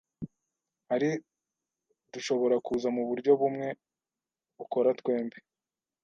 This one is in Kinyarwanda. Ahari dushobora kuza muburyo bumwe bukora twembi.